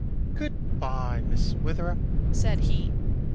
"Good bye, Miss Witherup," said he.